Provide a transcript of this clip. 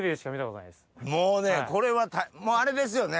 もうこれはあれですよね？